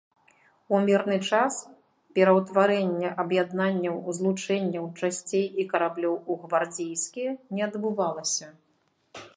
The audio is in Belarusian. У мірны час пераўтварэнне аб'яднанняў, злучэнняў, часцей і караблёў у гвардзейскія не адбывалася.